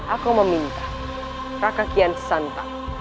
aku meminta raka kian santap